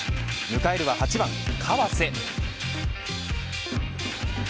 迎えるは８番川瀬。